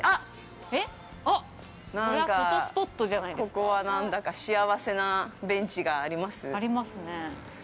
◆ここは何だか、幸せなベンチがありますね。